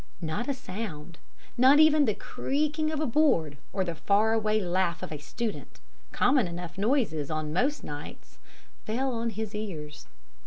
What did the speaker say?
Not a sound not even the creaking of a board or the far away laugh of a student, common enough noises on most nights fell on his ears.